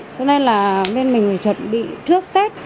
cho nên là bên mình chuẩn bị trước tết